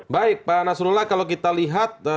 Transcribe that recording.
baik pak nasrullah kalau kita lihat